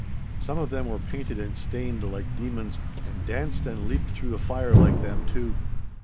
Some of them were painted and stained like demons, and danced and leaped through the fire like them, too.